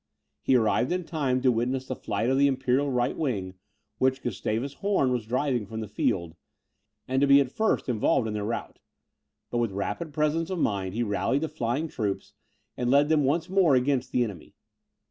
He arrived in time to witness the flight of the imperial right wing, which Gustavus Horn was driving from the field, and to be at first involved in their rout. But with rapid presence of mind he rallied the flying troops, and led them once more against the enemy.